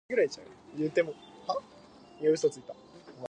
ハンバーグはとても美味しいです。